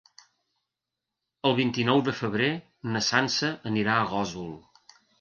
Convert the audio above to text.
El vint-i-nou de febrer na Sança anirà a Gósol.